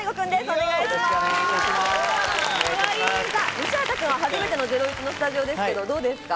西畑君は初めての『ゼロイチ』のスタジオですけどどうですか？